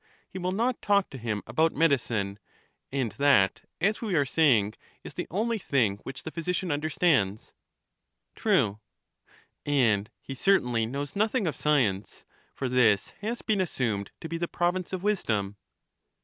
He will not talk to him about medicine ; and that, as we are saying, is the only thing which the physician understands. ''^^^* Digitized by GoOglC 34 CHARMIDES And he certainly knows nothing of science, for this has been assumed to be the province of wisdom.